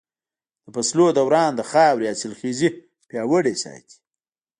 د فصلونو دوران د خاورې حاصلخېزي پياوړې ساتي.